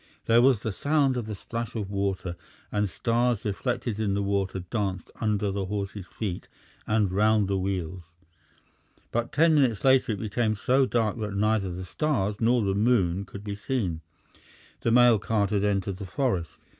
There was the sound of the splash of water, and stars reflected in the water danced under the horses' feet and round the wheels. But ten minutes later it became so dark that neither the stars nor the moon could be seen. The mail cart had entered the forest.